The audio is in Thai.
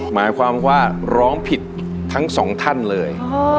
หมายความว่าร้องผิดทั้งสองท่านเลย